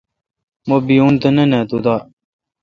مہ بیون تہ نہ نا تو دا